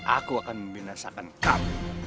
aku akan membinasakan kamu